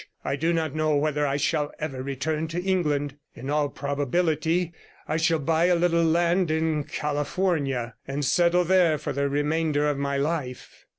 I do not know whether I shall ever return to England; in all probability I shall buy a little land in California, and settle there for the remainder of my life.